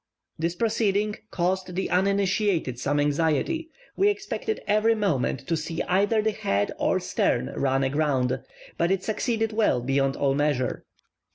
This proceeding caused the uninitiated some anxiety; we expected every moment to see either the head or stern run a ground, but it succeeded well beyond all measure.